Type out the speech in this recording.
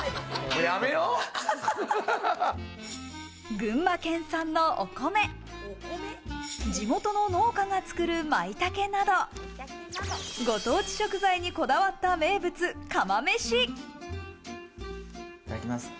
群馬県産のお米、地元の農家が作るマイタケなど、ご当地食材にこだわった名物・釜めし。